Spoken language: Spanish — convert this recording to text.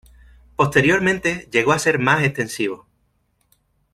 Posteriormente llegó a ser más extensivo.